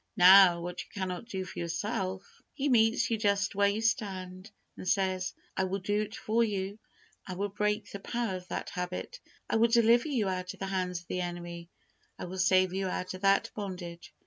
Now, what you cannot do for yourself, He meets you just where you stand, and says, "I will do it for you; I will break the power of that habit; I will deliver you out of the hands of the enemy; I will save you out of that bondage.